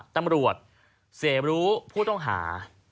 ตำรวจเสริมรู้พู่ต้องหา